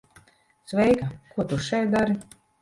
Sveika. Ko tu šeit dari?